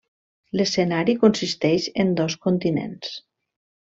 L'escenari consisteix en dos continents.